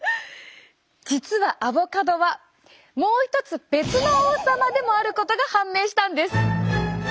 実はアボカドはもう一つ別の王様でもあることが判明したんです。